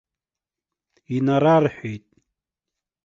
Инарарҳәеит.